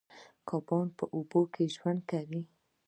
کبان په اوبو کې ژوند کوي